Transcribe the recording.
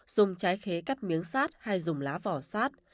dùng trái khế cắt miếng sát hay dùng lá vỏ sát